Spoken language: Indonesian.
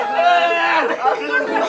jangan di pegangin